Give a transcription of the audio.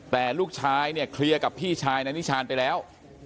แต่ลูกชายเนี่ยเคลียร์กับพี่ชายนายนิชานไปแล้ว